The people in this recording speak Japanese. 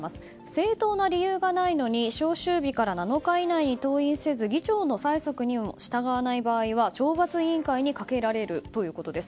正当な理由がないのに召集日から７日以内に当院せず議長の催促にも従わない場合は懲罰委員会にかけられるということです。